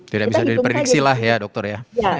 tidak bisa diprediksi lah ya dokter ya